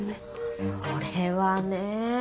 それはねえ